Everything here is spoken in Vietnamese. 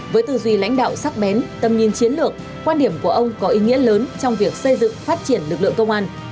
với tư duy lãnh đạo sắc bén tầm nhìn chiến lược quan điểm của ông có ý nghĩa lớn trong việc xây dựng phát triển lực lượng công an